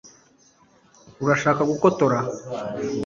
urashaka gutora